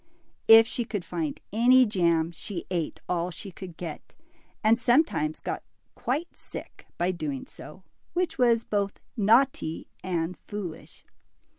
If she could find any jam, she ate all she could get, and sometimes got quite sick by doing so, which was both naughty and foolish.